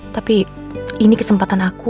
tapi ini kesempatan aku